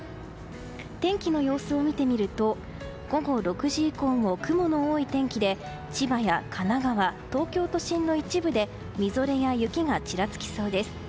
天気の様子を見てみると午後６時以降も雲の多い天気で千葉や神奈川、東京都心の一部でみぞれや雪がちらつきそうです。